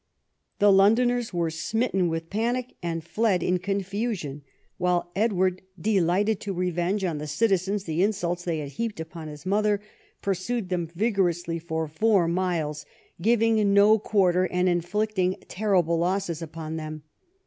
The Londoners were smitten with panic and fled in confusion ; while Edward, de ir EDWARD AND THE BARONS' WARS 37 lighted to revenge on the citizens the insults they had heaped upon his mother, pursued them vigorously for four miles, giving no quarter and inflicting terrible losses upon them.